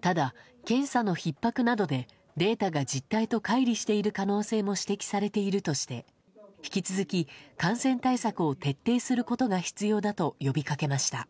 ただ、検査のひっ迫などで、データが実態とかい離している可能性も指摘されているとして、引き続き、感染対策を徹底することが必要だと呼びかけました。